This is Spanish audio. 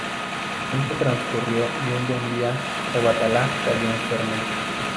El tiempo transcurrió y un buen día Obatalá cayó enfermo.